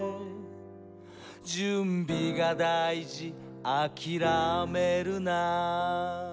「準備がだいじあきらめるな」